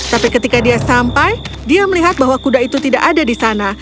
tapi ketika dia sampai dia melihat bahwa kuda itu tidak ada di sana